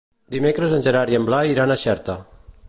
Dimecres en Gerard i en Blai iran a Xerta.